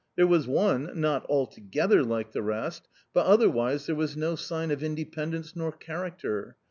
There was one — not altogether like the rest .... but otherwise there was no sign of independence nor character.